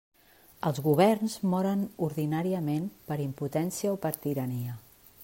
Els governs moren ordinàriament per impotència o per tirania.